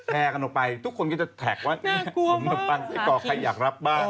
แทกกันออกไปทุกคนก็จะแท็กว่าหนมปังไซ่กรอกใครอยากรับบ้าง